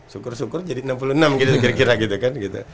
syukur syukur jadi enam puluh enam gitu kira kira gitu kan gitu